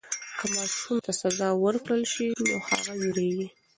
که ماشوم ته سزا ورکړل سي هغه وېرېږي.